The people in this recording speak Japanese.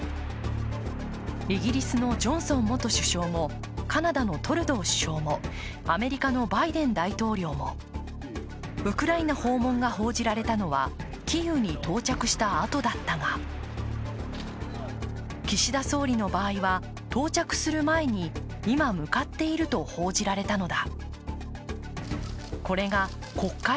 イギリスのジョンソン元首相もカナダのトルドー首相もアメリカのバイデン大統領もウクライナ訪問が報じられたのはキーウに到着したあとだったが岸田総理の場合は到着する前に今向かっていると報じられたのだ。